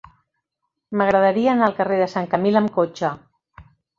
M'agradaria anar al carrer de Sant Camil amb cotxe.